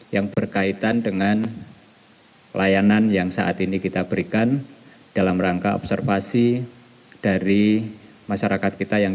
yang berkaitan dengan kesehatan